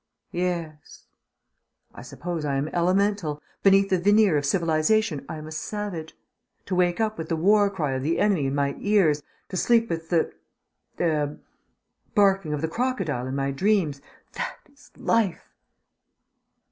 "Yes." "I suppose I am elemental. Beneath the veneer of civilization I am a savage. To wake up with the war cry of the enemy in my ears, to sleep with the er barking of the crocodile in my dreams, that is life!"